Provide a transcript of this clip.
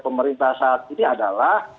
pemerintah saat ini adalah